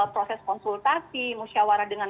proses konsultasi musyawara dengan